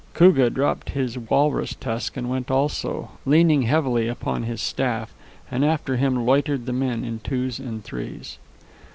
Koogah dropped his walrus tusk and went also, leaning heavily upon his staff, and after him loitered the men in twos and threes.